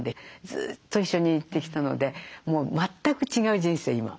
ずっと一緒に行ってきたのでもう全く違う人生今。